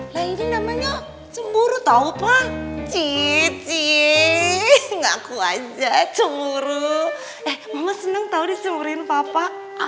lain namanya cemburu tahu pak cie cie ngaku aja cemburu eh mama seneng tahu disemburiin papa